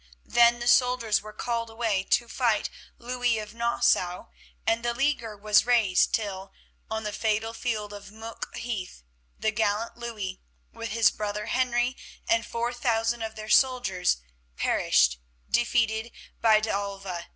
Then the soldiers were called away to fight Louis of Nassau, and the leaguer was raised till, on the fatal field of Mook Heath, the gallant Louis, with his brother Henry and four thousand of their soldiers, perished, defeated by D'Avila.